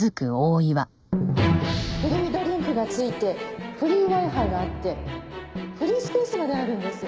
フリードリンクが付いてフリーＷｉ−Ｆｉがあってフリースペースまであるんです。